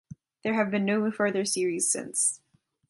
There have been no further series since.